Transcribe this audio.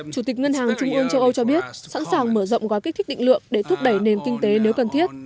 chủ tịch ngân hàng trung ương châu âu cho biết sẵn sàng mở rộng gói kích thích định lượng để thúc đẩy nền kinh tế nếu cần thiết